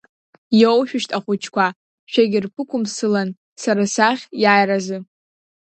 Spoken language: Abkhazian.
Иоушәышьҭ ахәыҷқәа шәагьырԥықәымсылан Сара сахь иааиразы…